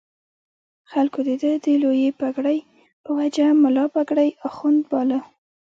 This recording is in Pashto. خلکو د ده د لویې پګړۍ په وجه ملا پګړۍ اخُند باله.